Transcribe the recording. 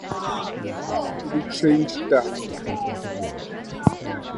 We changed that.